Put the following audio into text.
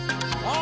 あ。